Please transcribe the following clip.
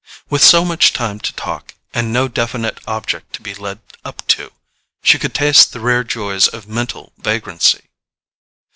With so much time to talk, and no definite object to be led up to, she could taste the rare joys of mental vagrancy.